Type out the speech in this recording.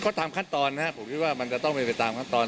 ก็ตามขั้นตอนนะครับผมคิดว่ามันจะต้องเป็นไปตามขั้นตอน